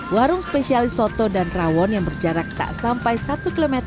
warung spesialis soto dan rawon yang berjarak tak sampai satu km